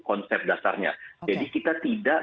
konsep dasarnya jadi kita tidak